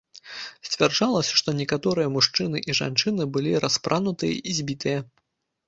Сцвярджалася, што некаторыя мужчыны і жанчыны былі распранутыя і збітыя.